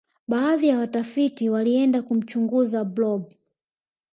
baadhi ya watafiti walienda kumchunguza blob